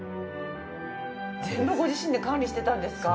全部ご自身で管理してたんですか？